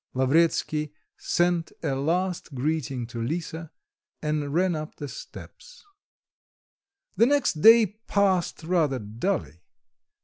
Lavretsky sent a last greeting to Lisa, and ran up the steps. The next day passed rather dully.